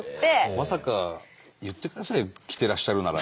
まさか言ってくださいよ来ていらっしゃるなら。